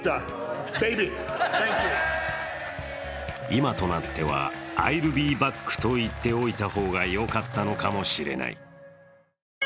今となっては「Ｉ’ｌｌｂｅｂａｃｋ」と言っておいた方がよかったのかもしれない。